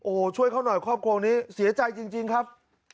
โอ้โหช่วยเขาหน่อยครอบครัวนี้เสียใจจริงครับ